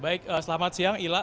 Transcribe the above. baik selamat siang